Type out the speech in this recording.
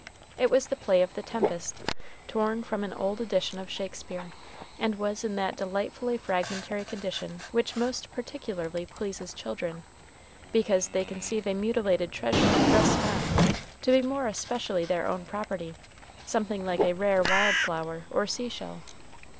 It was the play of the "Tempest," torn from an old edition of Shakespeare, and was in that delightfully fragmentary condition which most particularly pleases children, because they conceive a mutilated treasure thus found to be more especially their own property something like a rare wild flower or sea shell.